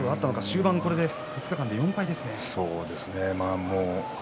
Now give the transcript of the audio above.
終盤５日間で４敗ですね。